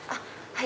はい。